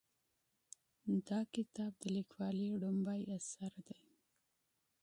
دا کتاب د لیکوالې لومړنی اثر دی